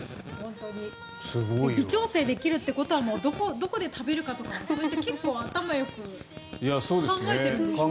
微調整できるってことはどこで食べるかとかもそういった結構、頭よく考えてるんですかね。